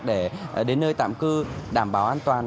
để đến nơi tạm cư đảm bảo an toàn